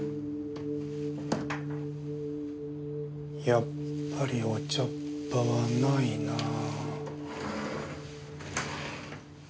やっぱりお茶っ葉はないなあ。